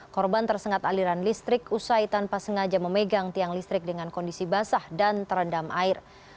korban tersengat aliran listrik usai tanpa sengaja memegang tiang listrik dengan kondisi basah dan terendam air